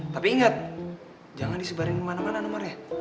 tapi ingat jangan disebarin kemana mana nomornya